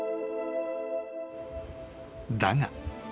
［だが］